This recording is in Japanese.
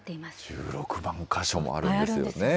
１６万か所もあるんですよね。